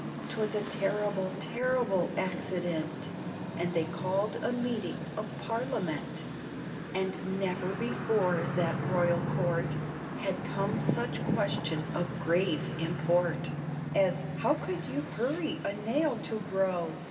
'Twas a terrible, terrible accident, And they called a meeting of parliament; And never before that royal Court Had come such question of grave import As "How could you hurry a nail to grow?"